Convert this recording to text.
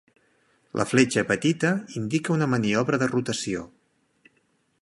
La fletxa petita indica una maniobra de rotació.